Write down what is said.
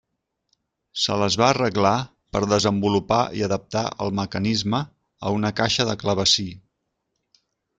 Se les va arreglar per desenvolupar i adaptar el mecanisme a una caixa de clavecí.